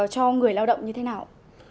cho người lao động như thế nào